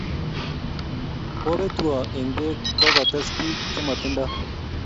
Kopetwo eng bek ko kokotes bik che matindo.